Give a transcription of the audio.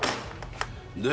で？